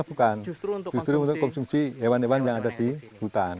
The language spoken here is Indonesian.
bukan justru untuk konsumsi hewan hewan yang ada di hutan